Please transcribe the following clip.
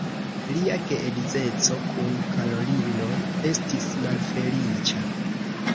Lia geedzeco kun Karolino estis malfeliĉa.